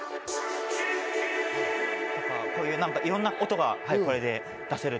こういういろんなことがこれで出せる。